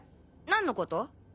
何のこと？